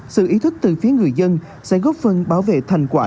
sự ý thức từ phía người dân sẽ góp phần bảo vệ thành quả